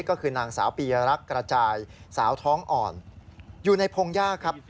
ก็คือนางสาวปียรักษ์กระจายสาวท้องอ่อนอยู่ในพงยากครับ